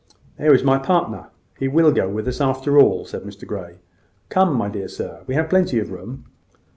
"There is my partner! He will go with us, after all," said Mr Grey. "Come, my dear sir, we have plenty of room."